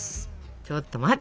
ちょと待って。